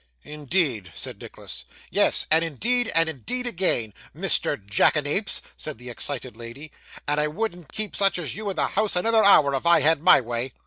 'Indeed!' said Nicholas. 'Yes; and indeed and indeed again, Mister Jackanapes,' said the excited lady; 'and I wouldn't keep such as you in the house another hour, if I had my way.